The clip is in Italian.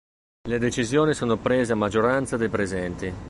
Le decisioni sono prese a maggioranza dei presenti.